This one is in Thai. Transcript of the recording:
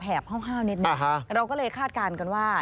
เราก็เลยคาดการณ์กันว่า